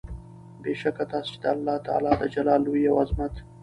بې شکه تاسي چې د الله تعالی د جلال، لوئي او عظمت